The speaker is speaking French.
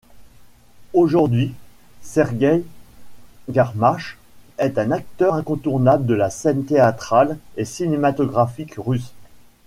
Aujourd'hui, Sergueï Garmach est un acteur incontournable de la scène théâtrale et cinématographique russe.